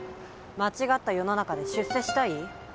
間違った世の中で出世したい？